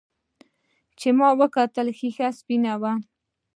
چې ومې کتل ښيښه سپينه وه.